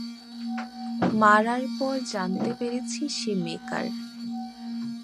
মারার পর জানতে পেরেছি সে মেকার।